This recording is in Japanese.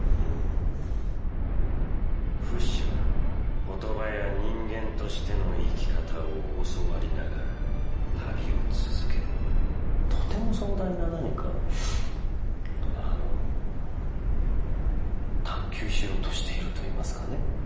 フシは言葉や人間としての生き方を教わりながら旅を続けるとても壮大な何かを探究しようとしていると言いますかね